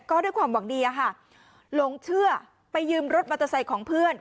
ก็ด้วยความหวังดีลงเชื่อไปยืมรถมัตตาไสของเพื่อน